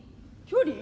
距離？